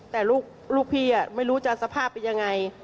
แต่ลูกพี่ไม่รู้จะสภาพเป็นยังไง